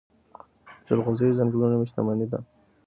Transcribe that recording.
د جلغوزیو ځنګلونه ملي شتمني ده.